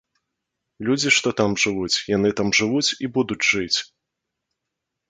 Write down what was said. Людзі, што там жывуць, яны там жывуць і будуць жыць.